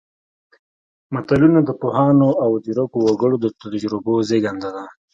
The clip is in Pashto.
متلونه د پوهانو او ځیرکو وګړو د تجربو زېږنده ده